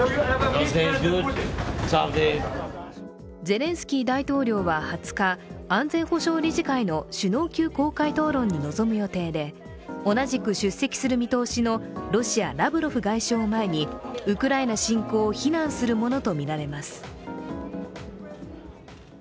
ゼレンスキー大統領は２０日、安全保障理事会の首脳級公開討論に臨む予定で同じく出席する見通しのロシア・ラブロフ外相を前にウクライナ侵攻を非難するものとみられます。